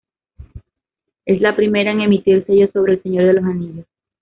Es la primera en emitir sellos sobre "El Señor de los Anillos".